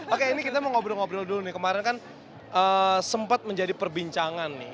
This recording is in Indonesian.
oke ini kita mau ngobrol ngobrol dulu nih kemarin kan sempat menjadi perbincangan nih